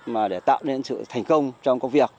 mà để tạo nên sự thành công trong công việc